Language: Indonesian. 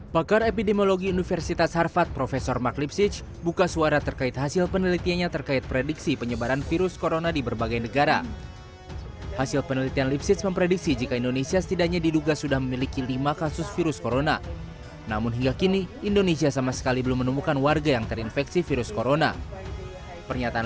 jadi dunia terfokus dengan sangat berat